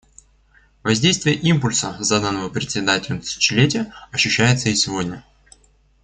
Воздействие импульса, заданного председателем тысячелетия, ощущается и сегодня.